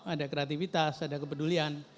ada kreativitas ada kepedulian